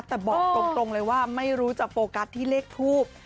แต่บอกตรงเลยว่าไม่รู้จะโฟกัสที่เลขทูบ